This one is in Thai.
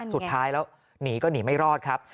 สุดท้ายแล้วหนีก็หนีไม่รอดครับ